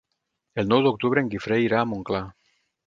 El nou d'octubre en Guifré irà a Montclar.